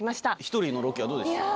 １人のロケはどうでした？